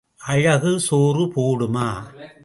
அழகு சோறு போடுமா?